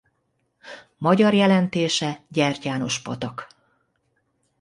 Magyar jelentése gyertyános patak.